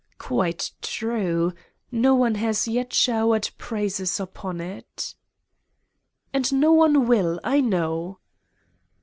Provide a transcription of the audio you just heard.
"Quite true. No one has yet showered praises upon it." "And no one will, I know!"